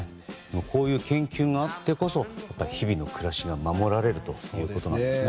こういう研究があってこそ日々の暮らしが守られるということなんですね。